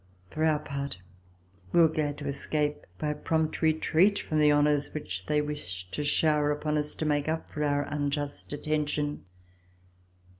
For our part, we were glad to escape by a prompt retreat from the honors which they wished to shower upon us to make up for our unjust detention.